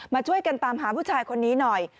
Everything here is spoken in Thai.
มาช่วยกันตามหาผู้ชายคนนี้หน่อย